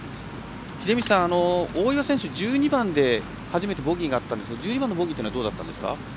秀道さん、大岩選手１２番で初めてボギーがあったんですが１２番のボギーどうでしたか？